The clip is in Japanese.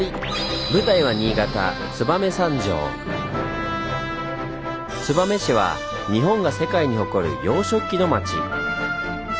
舞台は燕市は日本が世界に誇る洋食器の町。